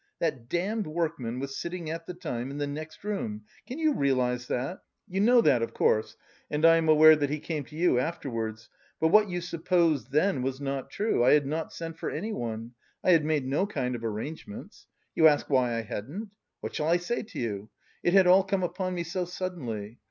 That damned workman was sitting at the time in the next room can you realise that? You know that, of course; and I am aware that he came to you afterwards. But what you supposed then was not true: I had not sent for anyone, I had made no kind of arrangements. You ask why I hadn't? What shall I say to you? it had all come upon me so suddenly.